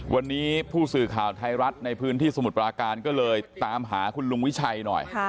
วันนี้ผู้สื่อข่าวไทยรัฐในพื้นที่สมุทรปราการก็เลยตามหาคุณลุงวิชัยหน่อย